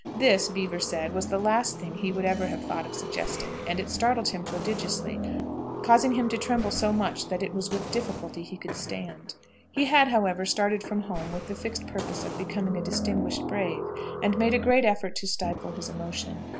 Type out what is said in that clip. This, Beaver said, was the last thing he would ever have thought of suggesting, and it startled him prodigiously, causing him to tremble so much that it was with difficulty he could stand. He had, however, started from home with the fixed purpose of becoming a distinguished brave, and made a great effort to stifle his emotion.